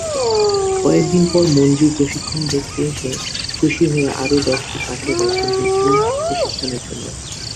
কয়েকদিন পর মঞ্জু প্রশিক্ষণ দেখতে এসে খুশি হয়ে আরো দশটি কাঠের রাইফেল দিয়েছিলেন প্রশিক্ষণের জন্য।